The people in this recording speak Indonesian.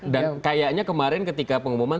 dan kayaknya kemarin ketika pengumuman